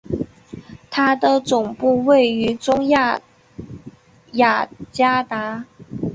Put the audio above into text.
它的总部位于中亚雅加达。